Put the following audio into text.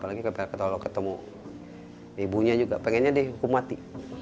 gitu kan soplah istrinya gitu apa apa lagi ketemu ibunya juga pengennya dihukum mati